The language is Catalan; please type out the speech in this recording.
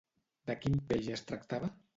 De quin peix es tractava?